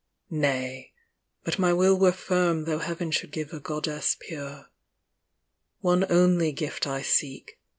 Nay ! but my will were firm, though Heaven should give A Goddess pure. One only gift I seek.